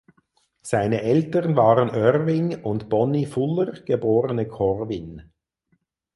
Seine Eltern waren Irving und Bonnie Fuller (geborene Corwin).